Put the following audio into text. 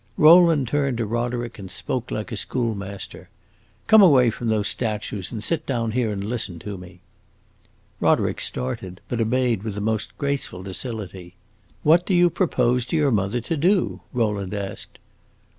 Rowland turned to Roderick and spoke like a school master. "Come away from those statues, and sit down here and listen to me!" Roderick started, but obeyed with the most graceful docility. "What do you propose to your mother to do?" Rowland asked.